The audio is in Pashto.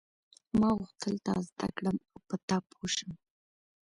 ما غوښتل تا زده کړم او په تا پوه شم.